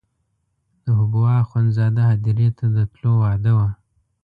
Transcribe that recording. د حبوا اخندزاده هدیرې ته د تلو وعده وه.